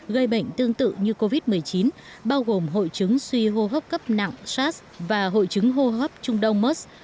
gây bệnh tương tự như covid một mươi chín bao gồm hội chứng suy hô hấp cấp nặng sars và hội chứng hô hấp trung đông mers